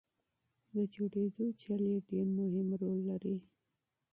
د جوړېدو طریقه یې ډېر مهم رول لري.